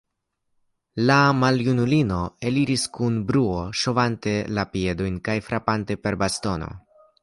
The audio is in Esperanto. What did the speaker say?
La maljunulino eliris, kun bruo ŝovante la piedojn kaj frapante per bastono.